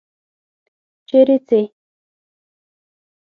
چیرې څې؟